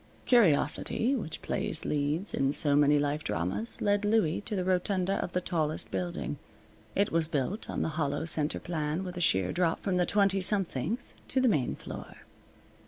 Curiosity, which plays leads in so many life dramas, led Louie to the rotunda of the tallest building. It was built on the hollow center plan, with a sheer drop from the twenty somethingth to the main floor.